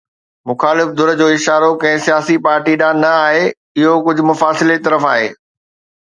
مخالف ڌر جو اشارو ڪنهن سياسي پارٽي ڏانهن نه آهي، اهو ڪجهه مفاصلي طرف آهي.